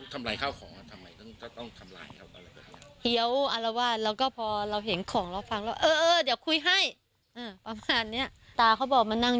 ถ้าพูดทำร้ายข้าวของทำไมก็ต้องทำร้ายข้าวของ